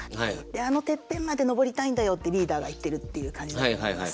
「あのてっぺんまで登りたいんだよ」ってリーダーが言ってるっていう感じだと思います。